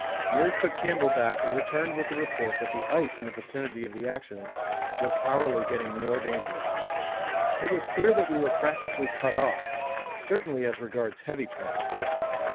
Meares took Campbell back and returned with the report that the ice in the vicinity of the accident was hourly getting more dangerous. It was clear that we were practically cut off, certainly as regards heavy transport.